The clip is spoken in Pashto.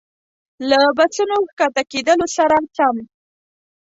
له بسونو ښکته کېدلو سره سم.